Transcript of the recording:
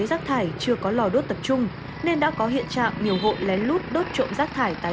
rác thải chưa có lò đốt tập trung nên đã có hiện trạng nhiều hộ lén lút đốt trộm rác thải tái